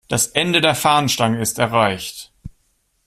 Das Ende der Fahnenstange ist erreicht.